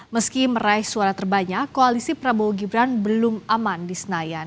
meski meraih suara terbanyak koalisi prabowo gibran belum aman di senayan